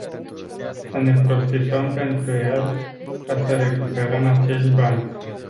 Să ne prostituăm pentru el, ca să recuperăm acești bani.